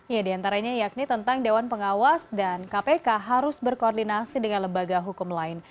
ya diantaranya yakni tentang dewan pengawas dan kpk harus berkoordinasi dengan lembaga hukum lain